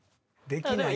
できない。